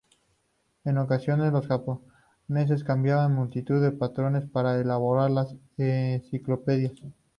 En ocasiones los japoneses copiaban multitud de patrones para elaborar las enciclopedias.